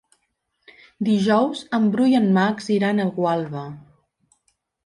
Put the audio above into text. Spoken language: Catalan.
Dijous en Bru i en Max iran a Gualba.